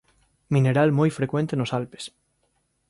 Mineral moi frecuente nos Alpes.